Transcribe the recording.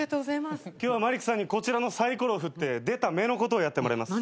今日はマリックさんにこちらのさいころを振って出た目のことをやってもらいます。